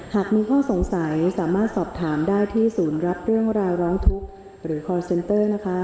หากมีข้อสงสัยสามารถสอบถามได้ที่ศูนย์รับเรื่องราวร้องทุกข์หรือคอร์เซนเตอร์นะคะ